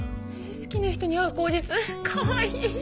好きな人に会う口実かわいい。